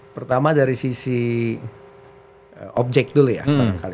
pertama dari sisi objek dulu ya barangkali